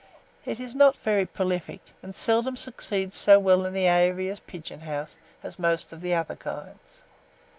It is not very prolific, and seldom succeeds so well in the aviary or pigeon house as most of the other kinds.